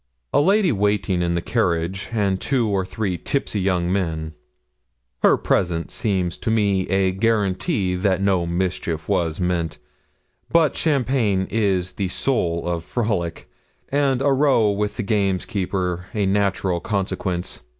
A lady waiting in the carriage, and two or three tipsy young men. Her presence seems to me a guarantee that no mischief was meant; but champagne is the soul of frolic, and a row with the gamekeepers a natural consequence.